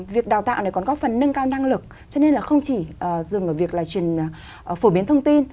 việc đào tạo này còn góp phần nâng cao năng lực cho nên là không chỉ dừng ở việc là truyền phổ biến thông tin